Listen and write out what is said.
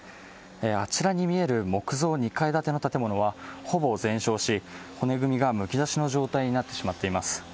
あちらに見える木造２階建ての建物はほぼ全焼し、骨組みがむき出しの状態になってしまっています。